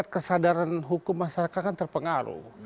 kesadaran hukum masyarakat kan terpengaruh